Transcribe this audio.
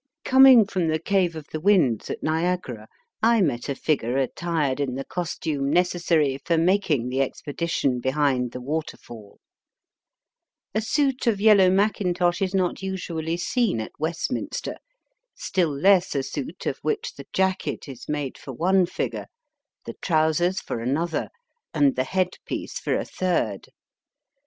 Coming from the Cave of the Winds at Niagara, I met a figure attired in the costume necessary for making the ex pedition behind the waterfall. A suit of yellow mackintosh is not usually seen at Westminster, still less a suit of which the jacket is made for one figure, the trousers for Digitized by VjOOQIC IN THE ROCKY MOUNTAINS. 73 another, and the head piece for a third.